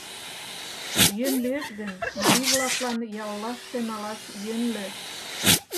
Йӧн лиеш гын, марий-влаклан яллаште налаш йӧнлӧ.